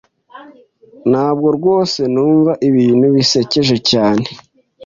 Ntabwo rwose numva ibintu bisekeje cyane.